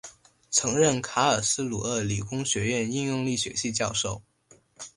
曾任卡尔斯鲁厄理工学院应用力学系教授。